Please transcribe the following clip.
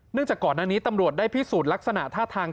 เนื่องจากก่อนอันนี้ตำรวจได้พิสูจน์ลักษณะท่าทาง